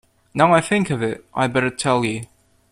Now I think of it, I’d better tell you.